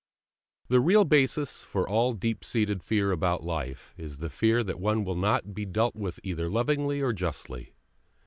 The real basis for all deep seated fear about life is the fear that one will not be dealt with either lovingly or justly.